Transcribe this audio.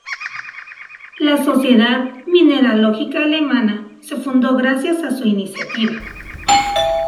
La Sociedad Mineralógica Alemana se fundó gracias a su iniciativa.